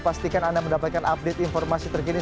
pastikan anda mendapatkan update informasi terkini